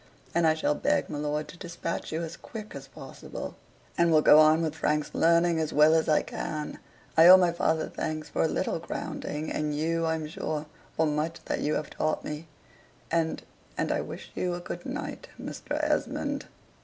And I shall beg my lord to despatch you as quick as possible: and will go on with Frank's learning as well as I can, (I owe my father thanks for a little grounding, and you, I'm sure, for much that you have taught me,) and and I wish you a good night, Mr. Esmond."